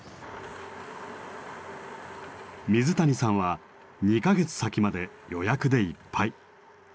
水谷さんは２か月先まで予約でいっぱい。